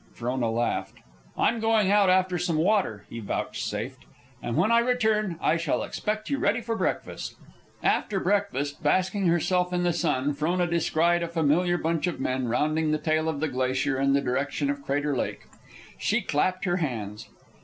Frona laughed. "I'm going out after some water," he vouchsafed. "And when I return I shall expect you ready for breakfast." After breakfast, basking herself in the sun, Frona descried a familiar bunch of men rounding the tail of the glacier in the direction of Crater Lake. She clapped her hands.